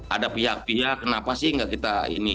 ada pihak pihak kenapa sih nggak kita ini